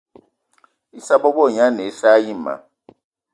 Issa bebo gne ane assa ayi ma.